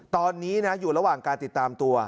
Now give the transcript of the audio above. ตอนนี้นะอยู่ระหว่างการติดตามตัว